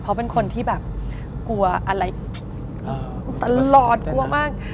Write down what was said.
เพราะเป็นคนที่แบบกลัวอะไรตลอดกลัวมาก